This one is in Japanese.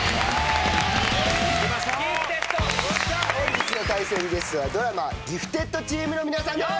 本日の対戦ゲストはドラマギフテッドチームの皆さんです。